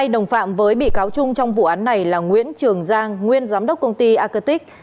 hai đồng phạm với bị cáo trung trong vụ án này là nguyễn trường giang nguyên giám đốc công ty acatic